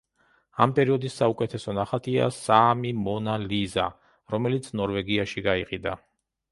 ამ პერიოდის საუკეთესო ნახატია „საამი მონა ლიზა“, რომელიც ნორვეგიაში გაიყიდა.